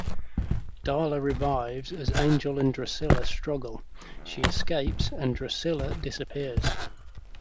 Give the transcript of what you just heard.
Darla revives as Angel and Drusilla struggle; she escapes and Drusilla disappears.